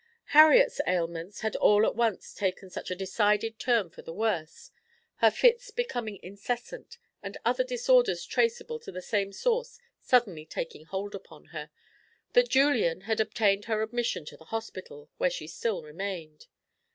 Harriet's ailments had all at once taken such a decided turn for the worse her fits becoming incessant, and other disorders traceable to the same source suddenly taking hold upon her that Julian had obtained her admission to the hospital, where she still remained.